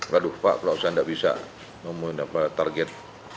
radu pak kalau saya tidak bisa memulai target